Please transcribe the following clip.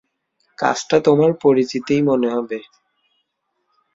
কাজটা তোমার পরিচিতই মনে হবে।